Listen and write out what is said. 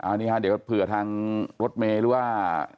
อันนี้ฮะเดี๋ยวเผื่อทางรถเมย์หรือว่า